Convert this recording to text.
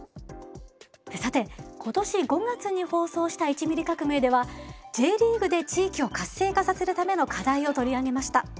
さて今年５月に放送した「１ミリ革命」ではＪリーグで地域を活性化させるための課題を取り上げました。